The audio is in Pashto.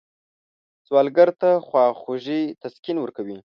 سوالګر ته خواخوږي تسکین ورکوي